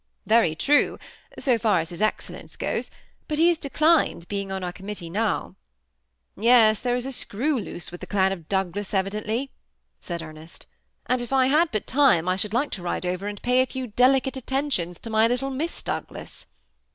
" Very true, so far as his excellence goes ; but he has declined being on our committee now." " Yes, there is a screw loose with the clan of Doug las evidently," said Ernest ;" and if I had but time 262 THE SEMI ATTACHED OOUFLB. I should like to ride over and paj a few delicate attentioiis to mj little Miss Doaglas."